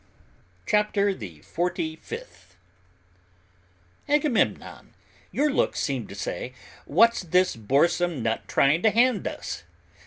'" CHAPTER THE FORTY SIXTH "Agamemnon, your looks seem to say, What's this boresome nut trying to hand us?